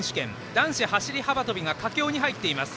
男子走り幅跳びが佳境に入っています。